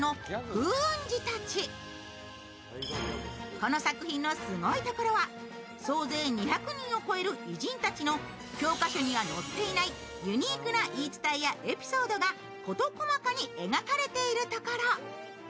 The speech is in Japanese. この作品のすごいところは、総勢２００人を超える偉人たちの教科書には載っていないユニークな言い伝えやエピソードが事細かに描かれているところ。